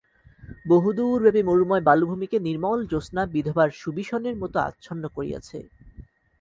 বহুদূরব্যাপী মরুময় বালুভূমিকে নির্মল জ্যোৎস্না বিধবার শুবিসনের মতো আচ্ছন্ন করিয়াছে।